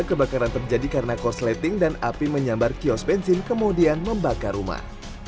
kebakaran terjadi karena kosleting dan api menyambar kios bensin kemudian membakar rumah